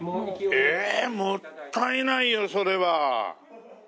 えもったいないよそれは。